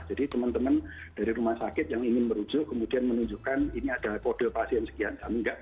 jadi teman teman dari rumah sakit yang ingin merujuk kemudian menunjukkan ini ada kode pasien sekian